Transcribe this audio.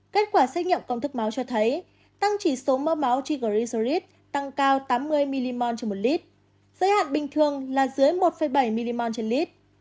kết quả xét nghiệm công thức máu cho thấy tăng trí số mỡ máu triglycerides tăng cao tám mươi mg một lít giới hạn bình thường là dưới một bảy mg một lít